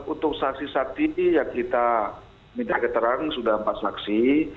untuk saksi saksi yang kita minta keterangan sudah empat saksi